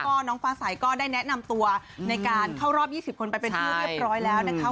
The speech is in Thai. ก็น้องฟ้าใสก็ได้แนะนำตัวในการเข้ารอบ๒๐คนไปเป็นที่เรียบร้อยแล้วนะคะ